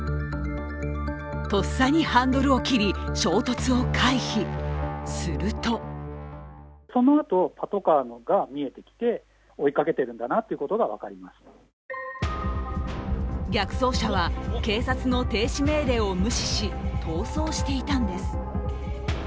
とっさにハンドルを切り衝突を回避、すると逆走車は警察の停止命令を無視し、逃走していたんです。